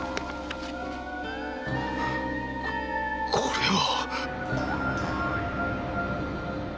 ここれは！